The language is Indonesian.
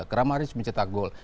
kramaric mencetak gol